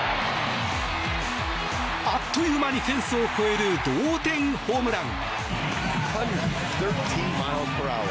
あっという間にフェンスを越える同点ホームラン。